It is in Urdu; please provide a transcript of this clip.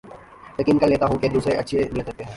یقین کر لیتا ہوں کے دوسرے اچھی نیت رکھتے ہیں